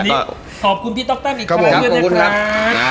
ขอบคุณพี่ต๊อกตั้มอีกครั้งหน่อยนะครับ